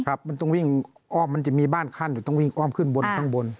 มันต้องวิ่งอ้อมมันจะมีบ้านขั้นอยู่ต้องวิ่งอ้อมขึ้นบนข้างบน